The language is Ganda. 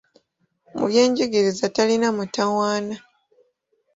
Mu byenjigiriza talina mutawaana.